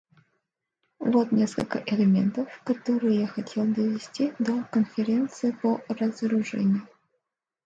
Вот несколько элементов, которые я хотел довести до Конференции по разоружению.